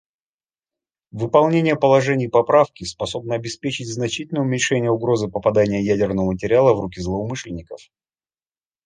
Выполнение положений Поправки способно обеспечить значительное уменьшение угрозы попадания ядерного материала в руки злоумышленников.